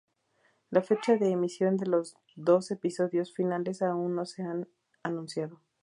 La fecha de emisión de los dos episodios finales aún no se ha anunciado.